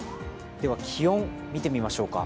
では、気温を見てみましょうか。